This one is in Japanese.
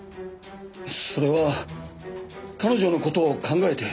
それは彼女の事を考えて。